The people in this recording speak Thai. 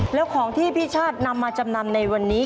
แล้วของที่พี่ชาตินำมาจำนำในวันนี้